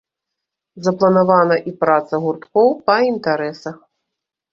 Запланавана і праца гурткоў па інтарэсах.